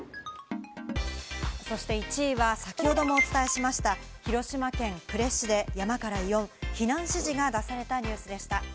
そして１位は先ほどもお伝えしました、広島県呉市で山から異音、避難指示が出されたニュースでした。